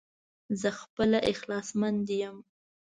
زه خپله اخلاص مند يم